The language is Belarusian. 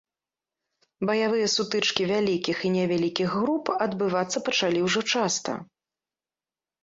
Баявыя сутычкі вялікіх і невялікіх груп адбывацца пачалі ўжо часта.